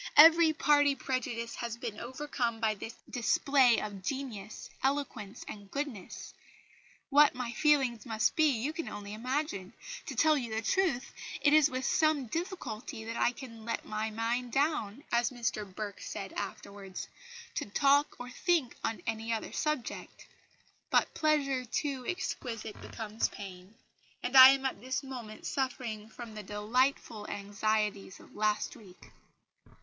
Every party prejudice has been overcome by this display of genius, eloquence and goodness.... What my feelings must be, you can only imagine. To tell you the truth, it is with some difficulty that I can 'let down my mind,' as Mr Burke said afterwards, to talk or think on any other subject. But pleasure too exquisite becomes pain; and I am at this moment suffering from the delightful anxieties of last week."